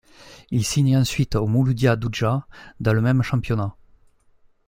Il signe ensuite au Mouloudia d'Oujda, dans le même championnat.